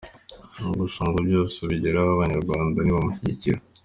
Gusa ngo byose azabigeraho Abanyarwanda nibamushyigikira.